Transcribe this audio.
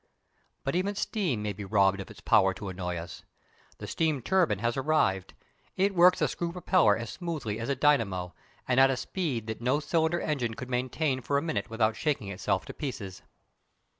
But even steam may be robbed of its power to annoy us. The steam turbine has arrived. It works a screw propeller as smoothly as a dynamo, and at a speed that no cylinder engine could maintain for a minute without shaking itself to pieces.